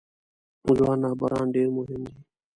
ځوان رهبران ډیر مهم دي